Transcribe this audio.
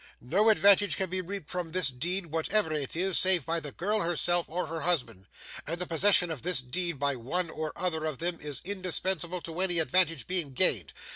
No advantage can be reaped from this deed, whatever it is, save by the girl herself, or her husband; and the possession of this deed by one or other of them is indispensable to any advantage being gained.